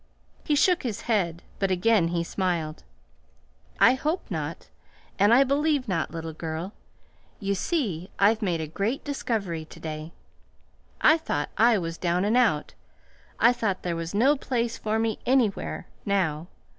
He shook his head but again he smiled. "I hope not and I believe not, little girl. You see, I've made a great discovery to day. I thought I was down and out. I thought there was no place for me anywhere now.